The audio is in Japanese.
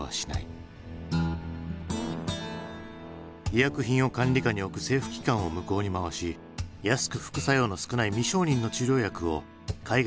医薬品を管理下に置く政府機関を向こうに回し安く副作用の少ない未承認の治療薬を海外から密輸入。